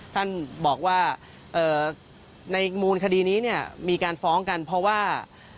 ท่านบอกว่าในมูลคดีนี้เนี่ยมีการฟ้องกันเพราะว่า